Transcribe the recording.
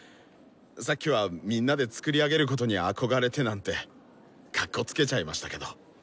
さっきは「みんなで作り上げることに憧れて」なんてかっこつけちゃいましたけど。